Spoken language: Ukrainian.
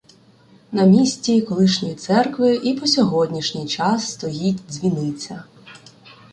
На місті колишньої церкви і по сьогоднішній час стоїть дзвіниця.